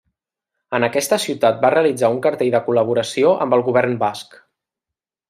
En aquesta ciutat va realitzar un cartell de col·laboració amb el govern Basc.